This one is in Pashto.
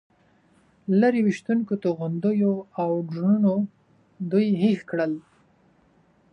لرې ویشتونکو توغندیو او ډرونونو دوی هېښ کړل.